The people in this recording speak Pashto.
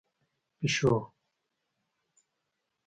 🐈 پېشو